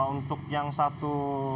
untuk yang satu